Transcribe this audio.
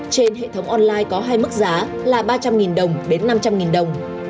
trên hệ thống online có hai mức giá là ba trăm linh đồng đến năm trăm linh đồng